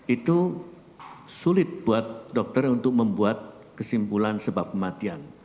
itu sulit buat dokter untuk membuat kesimpulan sebab kematian